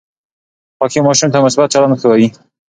خوښي ماشوم ته مثبت چلند ښووي.